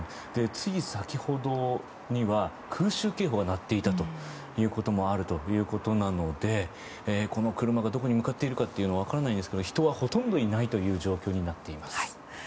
つい先ほどには空襲警報が鳴っていたこともあるということなのでこの車がどこに向かっているのかは分からないんですが人はほとんどいない状況になっています。